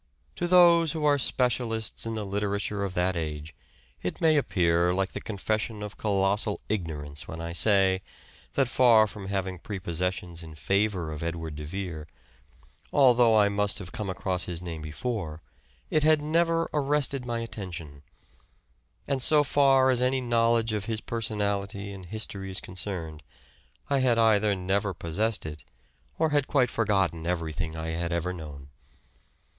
To those who are specialists in the literature of that age it may appear like the THE SEARCH AND DISCOVERY 139 confession of colossal ignorance when I say that, far from having prepossessions in favour of Edward de Vere, although I must have come across his name before, it had never arrested my attention ; and, so far as any knowledge of his personality and history is concerned, I had either never possessed it, or had quite forgotten everything 1 had ever known.